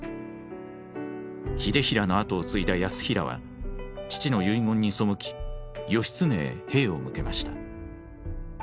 秀衡の跡を継いだ泰衡は父の遺言に背き義経へ兵を向けました。